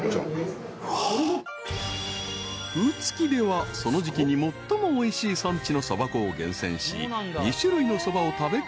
［兎月ではその時季に最もおいしい産地のそば粉を厳選し２種類のそばを食べ比べできる］